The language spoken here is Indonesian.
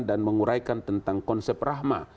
dan menguraikan tentang konsep rahma